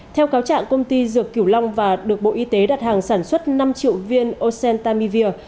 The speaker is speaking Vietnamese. theo cáo trạng công ty dược kiểu long và được bộ y tế đặt hàng sản xuất năm triệu viên ocentamivir